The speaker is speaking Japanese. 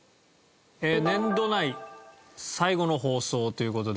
年度内最後の放送という事で。